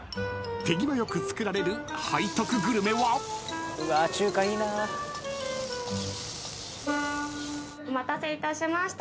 ［手際良く作られる背徳グルメは］お待たせいたしました。